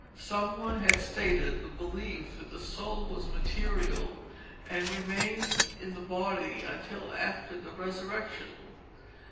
Some one had stated the belief that the soul was material and remained in the body until after the resurrection.